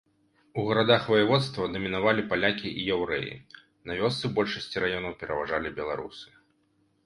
У гарадах ваяводства дамінавалі палякі і яўрэі, на вёсцы ў большасці раёнаў пераважалі беларусы.